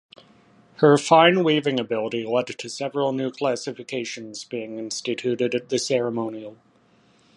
Her fine weaving ability led to several new classifications being instituted at the ceremonial.